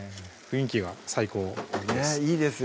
雰囲気が最高です